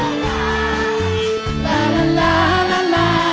ลาลาลาลาลาลาลาลา